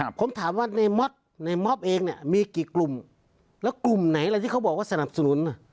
ผมถามว่าในมอบเองมีกี่กลุ่มแล้วกลุ่มไหนที่เขาบอกว่าสนับสนุน